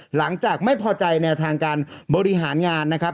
หลังจากไม่พอใจแนวทางการบริหารงานนะครับ